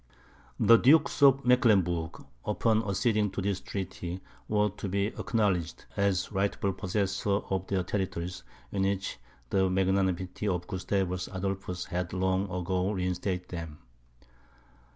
The Dukes of Mecklenburg, upon acceding to this treaty, were to be acknowledged as rightful possessors of their territories, in which the magnanimity of Gustavus Adolphus had long ago reinstated them.